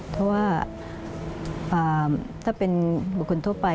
เพราะว่าถ้าเป็นบุคคลทั่วไป